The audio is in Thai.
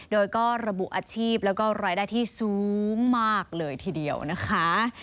โดยก็ระบุอาชีพแล้วก็รายได้ที่สูงมากเลยทีเดียวนะคะ